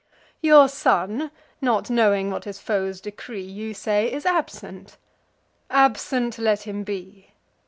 Your son, not knowing what his foes decree, You say, is absent: absent let him be.